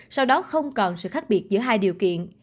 sau đó không còn sự khác biệt giữa hai điều kiện